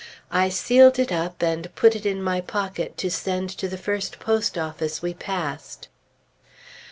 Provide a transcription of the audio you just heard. I sealed it up, and put it in my pocket to send to the first post office we passed.